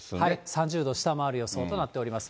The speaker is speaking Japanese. ３０度を下回る予想となっております。